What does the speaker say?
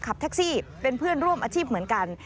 ขับแท็กซี่เป็นเพื่อนร่วมอาชีพเหมือนกัน